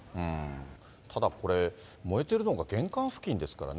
ただこれ、燃えてるのが玄関付近ですからね。